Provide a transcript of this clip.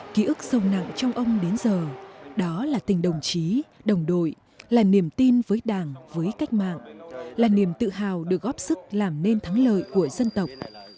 ký ức sâu nặng trong ông đến giờ đó là tình đồng chí đồng đội là niềm tin với đảng với cách mạng là niềm tự hào được góp sức làm nên thắng lợi của dân tộc